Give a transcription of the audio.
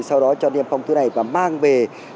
sau đó cho điểm phòng thứ này và mang về